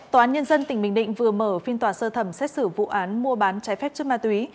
tòa án nhân dân tp đà nẵng vừa mở phiên tòa sơ thẩm xét xử vụ án mua bán trái phép trước ma túy